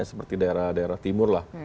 seperti daerah daerah timur lah